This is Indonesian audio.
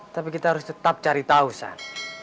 tapi kita harus tetap cari tahu saat